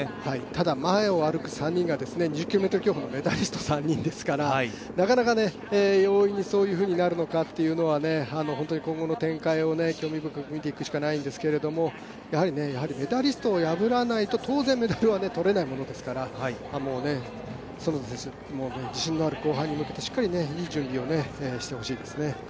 ただ前を歩く３人が２０ｋｍ競歩のメダリスト３人ですからなかなか容易にそういうふうになるのかというのは今後の展開を興味深く見ていくしかないんですけれども、メダリストを破らないと当然メダルは取れないものですから、園田選手、自信のある後半に向けてしっかりいい準備をしてもらいたいですね。